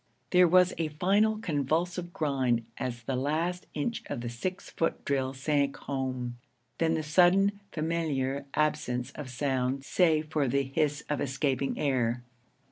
There was a final convulsive grind as the last inch of the six foot drill sank home, then the sudden familiar absence of sound save for the hiss of escaping air.